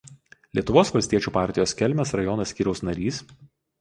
Lietuvos valstiečių partijos Kelmės rajono skyriaus narys.